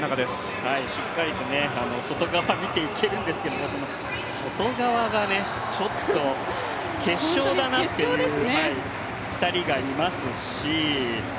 しっかりと外側見ていけるんですけど、その外側がね、ちょっと決勝だなっていう２人がいますし。